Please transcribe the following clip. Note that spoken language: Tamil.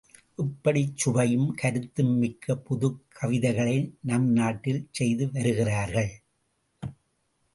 இப்படிச் சுவையும் கருத்தும் மிக்க புதுக் கவிதைகளை நம் நாட்டில் செய்து வருகிறார்கள்.